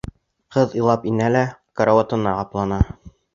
Ҡыҙ илап инә лә карауатына ҡаплана.